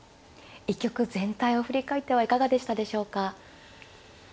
一局全体を振り返ってはいかがでしたでしょうか。